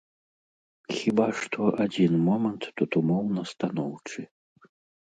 Хіба што адзін момант тут умоўна станоўчы.